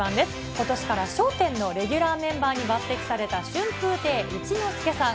ことしから笑点のレギュラーメンバーに抜てきされた春風亭一之輔さん。